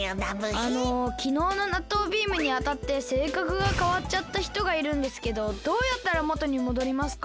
あのきのうのなっとうビームにあたってせいかくがかわっちゃったひとがいるんですけどどうやったらもとにもどりますか？